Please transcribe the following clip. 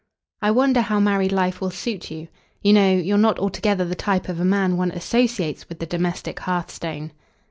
"I wonder how married life will suit you. You know, you're not altogether the type of a man one associates with the domestic hearthstone."